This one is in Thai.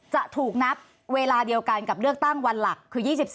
จะถูกนับเวลาเดียวกันกับเลือกตั้งวันหลักคือ๒๔